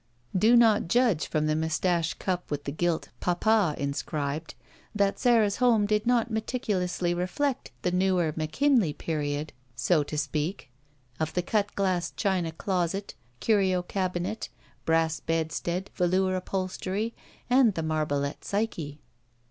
Do not judge from the mustache cup with the gilt "Papa" inscribed, that Sara's home did not meticu lously reflect the newer McIQnley period, so to 231 ROULETTE Speak, of the cut glass china closet, curio cabinet, brass bedstead, vdour upholstery, and the marbelette Psyche.